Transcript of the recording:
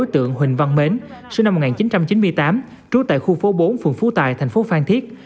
đối tượng huỳnh văn mến sinh năm một nghìn chín trăm chín mươi tám trú tại khu phố bốn phường phú tài thành phố phan thiết